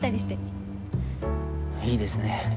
いいですね。